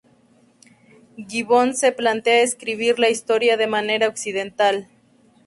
Gibbon se plantea escribir la historia de manera accidental.